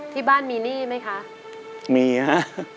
ที่บ้านมีหนี้ไหมคะมีฮะ